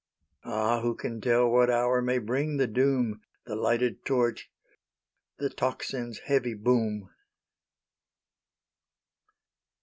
Ah, who can tell what hour may bring the doom, The lighted torch, the tocsin's heavy boom!